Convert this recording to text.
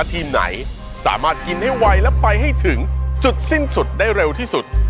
ทีมไหนสามารถกินให้ไวและไปให้ถึงจุดสิ้นสุดได้เร็วที่สุด